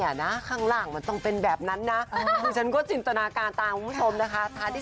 ถ้าบอกว่าจะตัวเปล่าแล้วเฟือนซักผ้าขนาดนี้